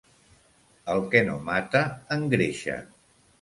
El que no mata, engreixa.